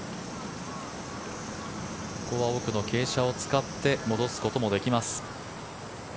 ここは奥の傾斜を使って戻すこともできます。